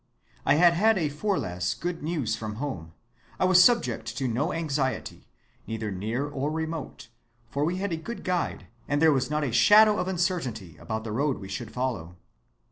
I had had at Forlaz good news from home; I was subject to no anxiety, either near or remote, for we had a good guide, and there was not a shadow of uncertainty about the road we should follow.